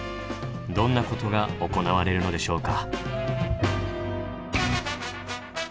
どんなことが行われるのでしょうか。